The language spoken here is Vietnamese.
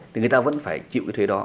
thì người ta vẫn phải chịu cái thuế đó